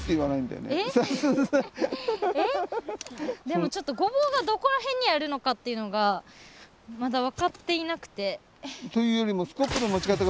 でもちょっとごぼうがどこら辺にあるのかっていうのがまだ分かっていなくて。というよりも上とこう下で持たんかと。